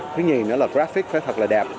thứ nhìn nữa là graphic phải thật là đẹp